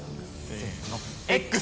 せの。